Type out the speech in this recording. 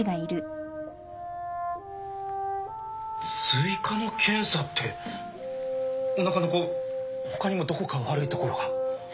追加の検査っておなかの子他にもどこか悪いところが？